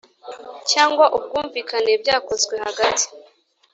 Cyangwa ubwumvikane byakozwe hagati